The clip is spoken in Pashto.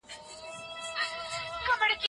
کبابي په خپلو تودو سیخانو باندې مالګه وپاشله.